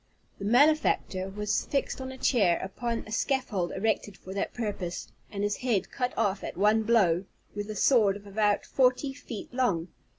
The malefactor was fixed on a chair upon a scaffold erected for that purpose, and his head cut off at one blow, with a sword of about forty feet long.